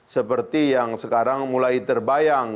seperti yang sekarang mulai terbayang